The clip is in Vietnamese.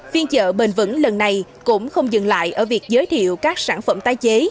phiên chợ bền vững lần này cũng không dừng lại ở việc giới thiệu các sản phẩm tái chế